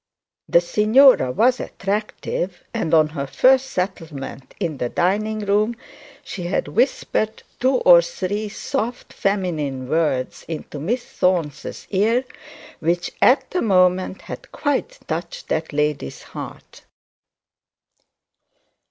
The signora was attractive, and on her first settlement in the dining room she had whispered two or three soft feminine words into Miss Thorne's ear, which, at the moment, had quite touched that lady's heart.